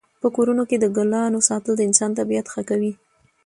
په کورونو کې د ګلانو ساتل د انسان طبعیت ښه کوي.